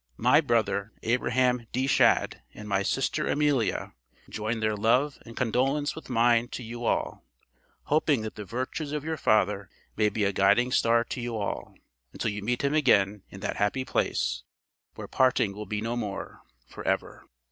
My brother, Abraham D. Shadd, and my sister Amelia, join their love and condolence with mine to you all, hoping that the virtues of your father may be a guiding star to you all, until you meet him again in that happy place, where parting will be no more, forever.